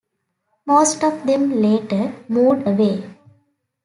Most of them later moved away.